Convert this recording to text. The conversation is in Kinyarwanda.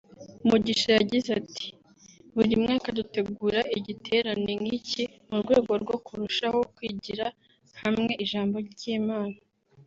Mugisha yagize ati « Buri mwaka dutegura igiterane nk’iki mu rwego rwo kurushaho kwigira hamwe ijambo ry’Imana